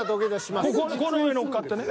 この上乗っかってね。